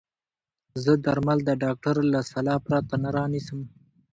زه درمل د ډاکټر له سلا پرته نه رانيسم.